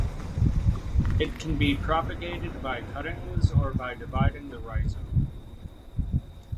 It can be propagated by cuttings or by dividing the rhizome.